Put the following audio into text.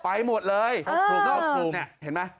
ไปหมดเลยโครงนอกภูมินี่เห็นไหม